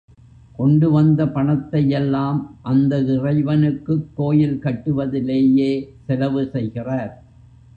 கொண்டு வந்த பணத்தையெல்லாம் அந்த இறைவனுக்குக் கோயில் கட்டுவதிலேயே செலவு செய்கிறார்.